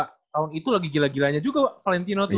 tahun itu lagi gila gilanya juga valentino tuh